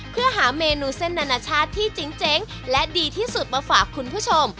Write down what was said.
เพื่อหาเมนูเส้นนานาชาติที่เจ๋งและดีที่สุดมาฝากคุณผู้ชม